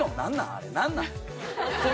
あれ何なん？